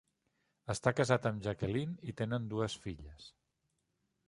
Està casat amb Jacquelyn i tenen dues filles.